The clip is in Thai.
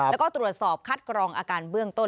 แล้วก็ตรวจสอบคัดกรองอาการเบื้องต้น